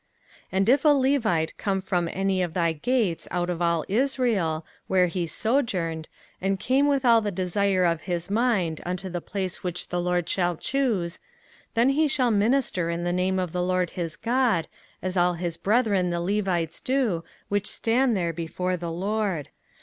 05:018:006 And if a Levite come from any of thy gates out of all Israel, where he sojourned, and come with all the desire of his mind unto the place which the LORD shall choose; 05:018:007 Then he shall minister in the name of the LORD his God, as all his brethren the Levites do, which stand there before the LORD.